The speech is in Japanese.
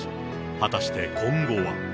果たして今後は。